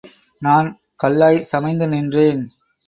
நான் கல்லாய் சமைந்து நின்றேன்.